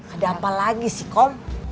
ada apa lagi sih kom